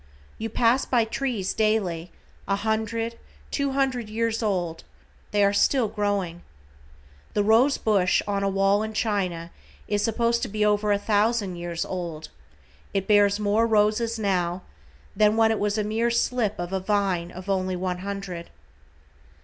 You pass by trees daily, a hundred, two hundred years old, still they are growing. The rose bush on a wall in China is supposed to be over a thousand years old, it bears more roses now, than when it was a mere slip of a vine of only one hundred.